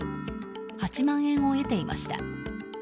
８万円を得ていました。